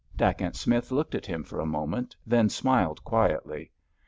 Dacent Smith looked at him for a moment, then smiled quietly.